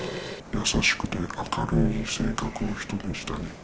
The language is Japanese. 優しくて明るい性格の人でしたね。